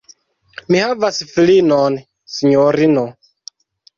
Mi havas filinon, sinjorino!